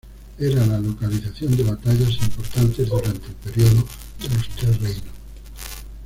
Era la localización de batallas importantes durante el periodo de los Tres Reinos.